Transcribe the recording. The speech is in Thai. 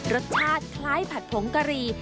รสชาติคล้ายผัดผงกะหรี่